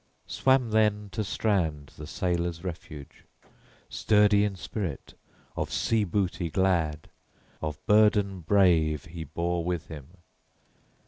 Swam then to strand the sailors' refuge, sturdy in spirit, of sea booty glad, of burden brave he bore with him.